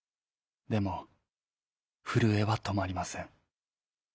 でもふるえはとまりません。